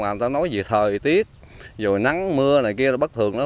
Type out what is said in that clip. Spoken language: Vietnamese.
người ta nói về thời tiết rồi nắng mưa này kia bất thường đó